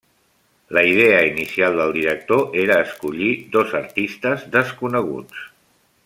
La idea inicial del director era escollir dos artistes desconeguts.